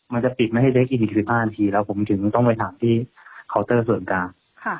มันจะปิดไม่ให้เล็กอีก๔๕นาทีแล้วผมถึงต้องไปถามที่เคาน์เตอร์ส่วนกลาง